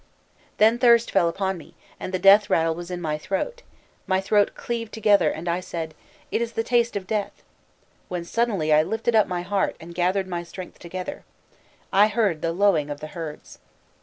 Then thirst fell upon me, and the death rattle was in my throat, my throat cleaved together, and I said, 'It is the taste of death!' when suddenly I lifted up my heart and gathered my strength together: I heard the lowing of the herds.